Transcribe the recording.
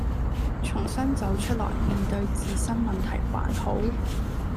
重新走出來面對自身問題還好